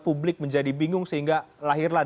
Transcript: publik menjadi bingung sehingga lahirlah